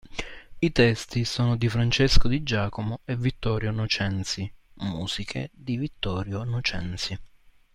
I testi sono di Francesco Di Giacomo e Vittorio Nocenzi, musiche di Vittorio Nocenzi.